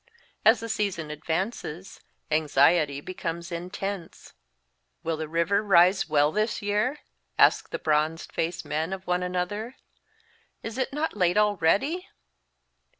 As the season advances, anxiety becomes intense. " Will the river rise well this ye&r ?" ask the bronze faced men one of another. " Is it not late already